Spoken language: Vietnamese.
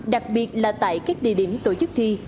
đặc biệt là tại các địa điểm tổ chức thi